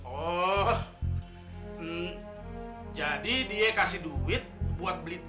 oh jadi dia kasih duit buat beli